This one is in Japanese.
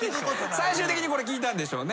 最終的にこれ聞いたんでしょうね。